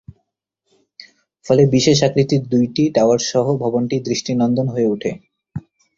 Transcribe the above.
ফলে বিশেষ আকৃতির দুইটি টাওয়ার সহ ভবনটি দৃষ্টিনন্দন হয়ে উঠে।